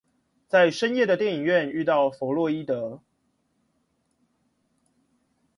在深夜的電影院遇見佛洛伊德